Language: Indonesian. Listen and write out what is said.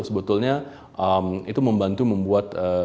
sebetulnya itu membantu membuat